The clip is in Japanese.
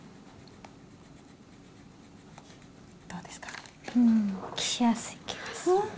どうですか？